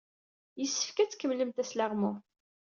Yessefk ad tkemmlemt asleɣmu.